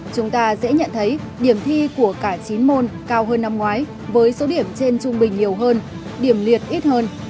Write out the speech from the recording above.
chúng ta dễ nhận thấy điểm thi của cả chín môn cao hơn năm ngoái với số điểm trên trung bình nhiều hơn điểm liệt ít hơn